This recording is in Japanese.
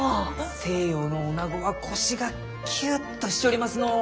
西洋のおなごは腰がキュッとしちょりますのう。